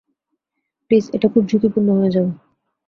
Please, এটা খুব ঝুঁকিপূর্ণ হয়ে যাবে।